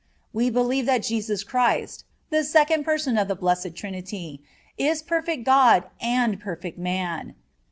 We believe that Jesus Christ, the Second Person of the Blessed Trinity, is perfect God and perfect Man.